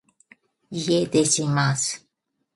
家出します